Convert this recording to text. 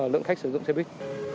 lượng khách sử dụng xe buýt